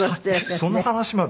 その話まで？